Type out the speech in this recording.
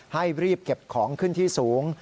ให้รีบเก็บของขึ้นที่สูง